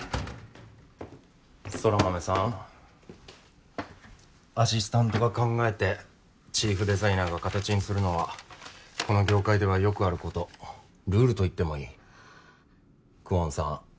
空豆さんアシスタントが考えてチーフデザイナーが形にするのはこの業界ではよくあることルールと言ってもいい久遠さん